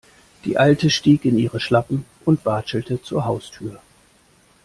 Die Alte stieg in ihre Schlappen und watschelte zur Haustür.